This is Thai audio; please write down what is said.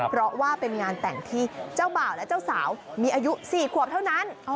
เพราะว่าเป็นงานแต่งที่เจ้าบ่าวและเจ้าสาวมีอายุ๔ขวบเท่านั้น